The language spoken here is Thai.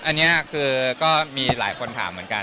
อันนี้คือก็มีหลายคนถามเหมือนกัน